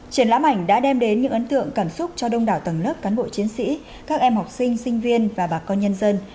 triển lãm ảnh đã đem đến những ấn tượng cảm xúc cho đông đảo tầng lớp cán bộ chiến sĩ các em học sinh sinh viên và bà con nhân dân